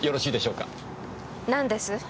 何です？